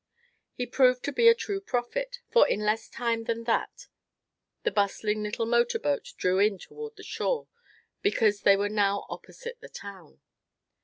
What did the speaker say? He proved to be a true prophet, for in less time than that the bustling little motor boat drew in toward the shore, because they were now opposite the town.